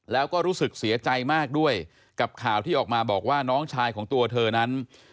แล้วก็รู้สึกเสียใจมากด้วยกับข่าวที่ออกมาบอกว่าน้องชายของตัวเธอนั้น